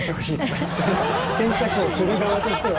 洗濯をする側としては。